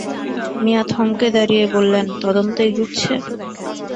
মিয়া থমকে দাঁড়িয়ে বললেন, তদন্ত এগুচ্ছে?